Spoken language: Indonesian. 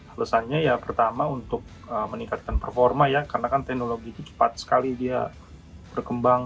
alasannya ya pertama untuk meningkatkan performa ya karena kan teknologi itu cepat sekali dia berkembang